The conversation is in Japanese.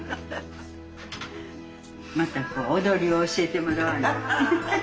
またこう踊りを教えてもらわな。